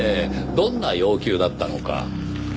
どんな要求だったのか。